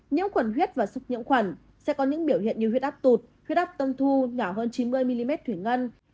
nhiễm khuẩn huyết và sục nhiễm khuẩn sẽ có những biểu hiện như huyết áp tụt huyết áp tâm thu nhỏ hơn chín mươi mm thủy ngân